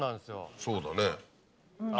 そうだね。